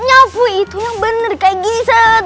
nyapu itu yang bener kayak gini sed